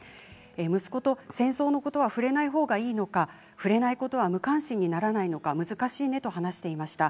息子と戦争のことは触れないほうがいいのか触れないと無関心にならないかと難しいねと話していました。